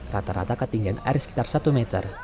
rata rata ketinggian air sekitar satu meter